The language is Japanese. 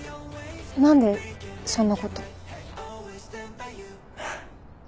何でそんなこと。